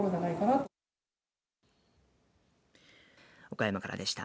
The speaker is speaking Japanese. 岡山からでした。